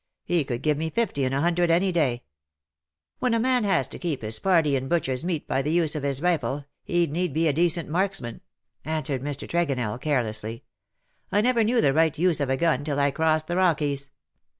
He could give me fifty in a hundred any day.^^ " When a man has to keep his party in butcher^s meat by the use of his rifle, hc^d need be a decent marksman,^^ answered ^Ir. Tregonell, carelessly. ^' I never knew the right use of a gun till I crossed the Rockies.